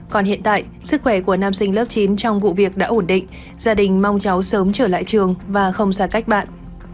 còn hiện tại sức khỏe của nam sinh lớp chín trong vụ việc đã ổn định gia đình mong cháu sớm trở lại trường và không ra cách bạn